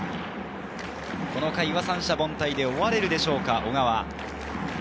この回は三者凡退で終われるでしょうか、小川。